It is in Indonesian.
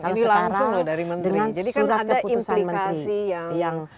ini langkah loh dari menteri jadi kan ada implikasi yang